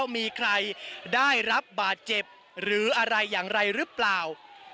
มีใครได้รับบาดเจ็บหรืออะไรอย่างไรหรือเปล่า